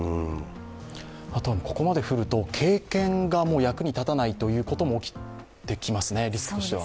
ここまで降ると経験が役に立たないということも起きてきますね、リスクとしては。